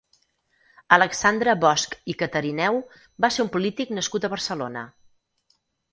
Alexandre Bosch i Catarineu va ser un polític nascut a Barcelona.